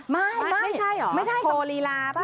ไม่ไม่ใช่หรอโทรลีลาปะ